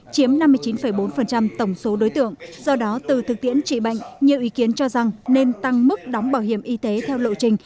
chiếm năm mươi chín bốn tổng số đối tượng do đó từ thực tiễn trị bệnh nhiều ý kiến cho rằng nên tăng mức đóng bảo hiểm y tế theo lộ trình